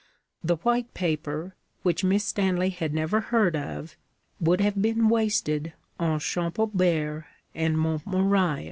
The White Paper which Miss Stanley had never heard of would have been wasted on Champaubert and Montmirail.